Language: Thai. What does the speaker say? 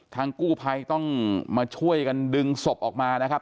กู้ภัยต้องมาช่วยกันดึงศพออกมานะครับ